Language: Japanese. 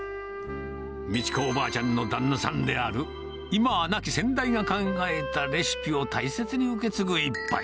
美智子おばあちゃんの旦那さんである、今は亡き先代が考えたレシピを大切に受け継ぐ一杯。